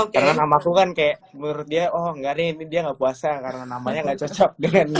karena namaku kan kayak menurut dia oh enggak nih dia gak puasa karena namanya gak cocok